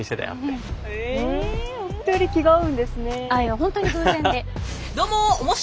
本当に偶然で。